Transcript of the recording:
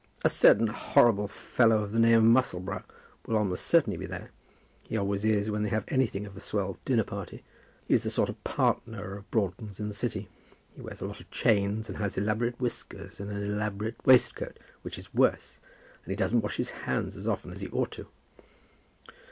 "A certain horrible fellow of the name of Musselboro, will almost certainly be there. He always is when they have anything of a swell dinner party. He is a sort of partner of Broughton's in the City. He wears a lot of chains, and has elaborate whiskers, and an elaborate waistcoat, which is worse; and he doesn't wash his hands as often as he ought to do."